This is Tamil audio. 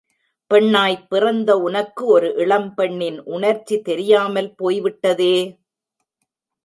பெண்ணாய் பிறந்த உனக்கு ஒரு இளம் பெண்ணின் உணர்ச்சி தெரியாமல் போய்விட்டதே!